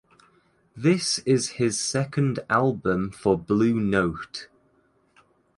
This is his second album for Blue Note.